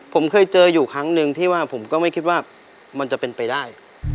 ผมเคยเจออยู่ครั้งหนึ่งที่ว่าผมก็ไม่คิดว่ามันจะเป็นไปได้